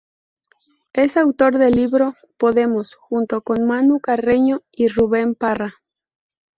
Es autor del libro "Podemos" junto con Manu Carreño y Ruben Parra.